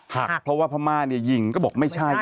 หักเพราะว่าพม่าเนี่ยยิงก็บอกไม่ใช่